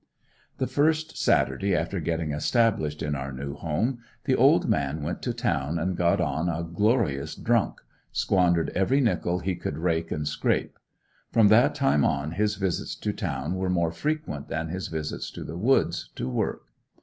The first Saturday after getting established in our new home the "old man" went to town and got on a glorious drunk, squandered every nickel he could rake and scrape; from that time on his visits to town were more frequent than his trips to the woods, to work.